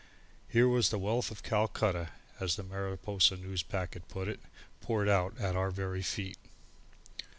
Here was the wealth of Calcutta, as the Mariposa Newspacket put it, poured out at our very feet.